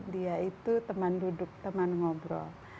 dia itu teman duduk teman ngobrol